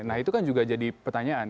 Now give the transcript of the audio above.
nah itu kan juga jadi pertanyaan